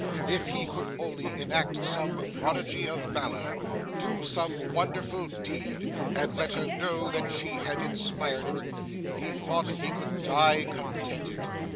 If he could only enact some prodigy of valour, do some wonderful deed, and let her know that she had inspired it, he thought he could die contented.